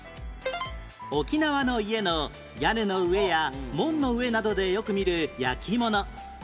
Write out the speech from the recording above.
沖縄の家の屋根の上や門の上などでよく見る焼き物